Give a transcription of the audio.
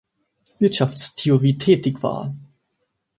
Wirtschaftstheorie tätig war.